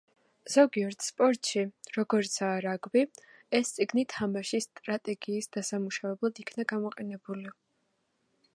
ზოგიერთ სპორტში, როგორიცაა რაგბი, ეს წიგნი თამაშის სტრატეგიის დასამუშავებლად იქნა გამოყენებული.